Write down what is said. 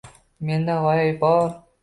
Menda g‘oya bor